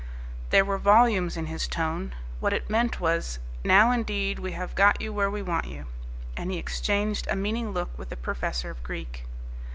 There were volumes in his tone. What it meant was, "Now, indeed, we have got you where we want you," and he exchanged a meaning look with the professor of Greek.